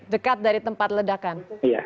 dekat dari tempat ledakan